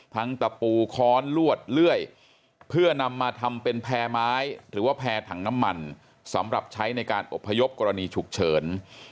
ตะปูค้อนลวดเลื่อยเพื่อนำมาทำเป็นแพร่ไม้หรือว่าแพร่ถังน้ำมันสำหรับใช้ในการอบพยพกรณีฉุกเฉิน